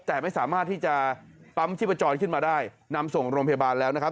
แต่ไม่สามารถที่จะปั๊มชีพจรขึ้นมาได้นำส่งโรงพยาบาลแล้วนะครับ